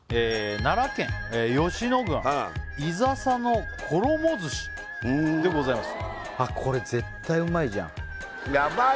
奈良県吉野郡ゐざさの衣寿司でございます